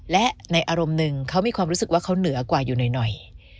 และในอารมณ์หนึ่งเขามีความรู้สึกว่าเขาเหนือกว่าอยู่หน่อย